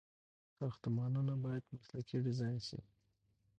ساختمانونه باید مسلکي ډيزاين شي.